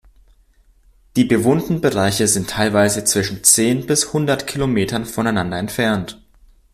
Die bewohnten Bereiche sind teilweise zwischen zehn bis hundert Kilometern voneinander entfernt.